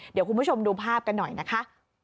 เดี๋ยวคุณผู้ชมดูภาพกันหน่อยนะคะ